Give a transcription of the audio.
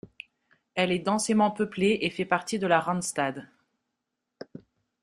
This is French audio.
Elle est densément peuplée et fait partie de la Randstad.